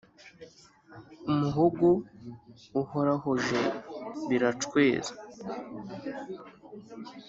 Umuhogo uhorahoje biracweza!